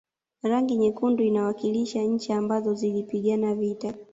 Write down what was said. rangi nyekundu inawakilisha nchi ambazo zilipigana vita